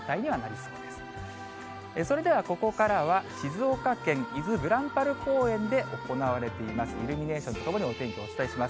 それでは、ここからは静岡県伊豆ぐらんぱる公園で行われています、イルミネーションとともに、お天気お伝えします。